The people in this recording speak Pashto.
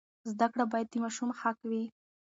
زده کړه باید د ماشوم حق وي.